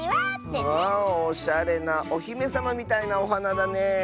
おしゃれなおひめさまみたいなおはなだね。